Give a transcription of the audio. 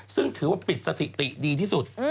ซึ่งถือว่าปิดสถิติดีที่สุด